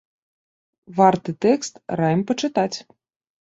Варты тэкст, раім пачытаць.